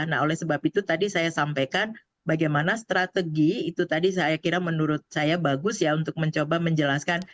nah oleh sebab itu tadi saya sampaikan bagaimana strategi itu tadi saya kira menurut saya bagus ya untuk mencoba menjelaskan